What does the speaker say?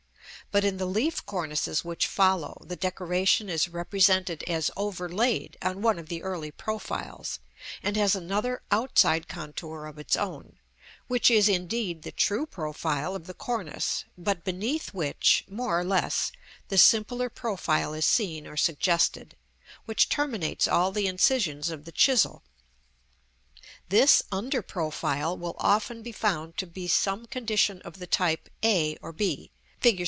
But in the leaf cornices which follow, the decoration is represented as overlaid on one of the early profiles, and has another outside contour of its own; which is, indeed, the true profile of the cornice, but beneath which, more or less, the simpler profile is seen or suggested, which terminates all the incisions of the chisel. This under profile will often be found to be some condition of the type a or b, Fig.